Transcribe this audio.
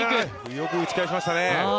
よく打ち返しましたね。